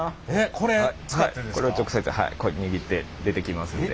これを直接握って出てきますので。